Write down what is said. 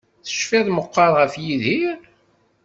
Tecfiḍ meqqar ɣef Yidir?